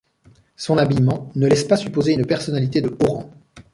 Son habillement ne laisse pas supposer une personnalité de haut rang.